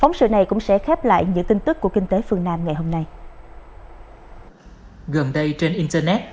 gần đây trên internet